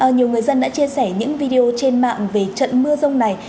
nhiều người dân đã chia sẻ những video trên mạng về trận mưa rông này